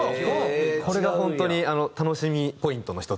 これが本当に楽しみポイントの１つですね。